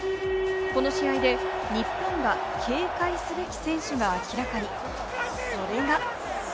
この試合で日本は警戒すべき選手が明らかに、それが。